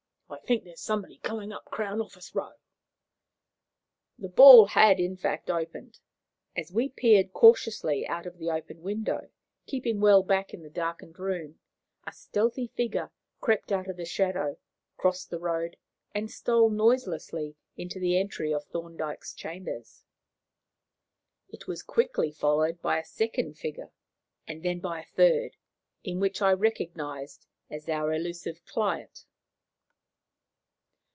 "I think there is somebody coming up Crown Office Row." The ball had, in fact, opened. As we peered cautiously out of the open window, keeping well back in the darkened room, a stealthy figure crept out of the shadow, crossed the road, and stole noiselessly into the entry of Thorndyke's chambers. It was quickly followed by a second figure, and then by a third, in which I recognized our elusive client.